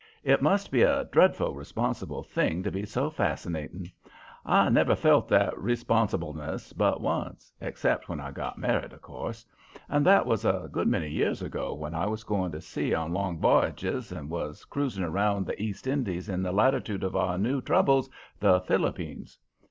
It must be a dreadful responsible thing to be so fascinating. I never felt that responsibleness but once except when I got married, of course and that was a good many years ago, when I was going to sea on long v'yages, and was cruising around the East Indies, in the latitude of our new troubles, the Philippines.